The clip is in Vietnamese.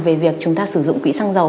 về việc chúng ta sử dụng quỹ xăng dầu